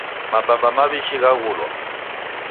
Mabamba mawishi ghaghulwa